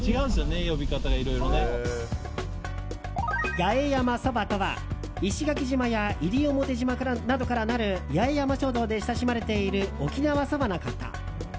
八重山そばとは石垣島や西表島などからなる八重山諸島で親しまれている沖縄そばのこと。